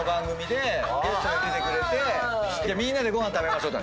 みんなでご飯食べましょう。